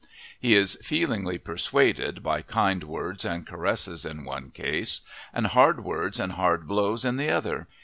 He is "feelingly persuaded" by kind words and caresses in one case and hard words and hard blows in the other.